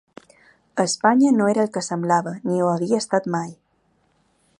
Espanya no era el que semblava ni ho havia estat mai.